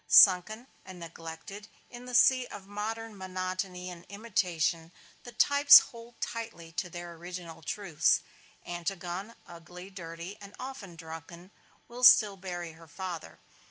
Sunken and neglected in the sea of modern monotony and imitation, the types hold tightly to their original truths. Antigone, ugly, dirty and often drunken, will still bury her father.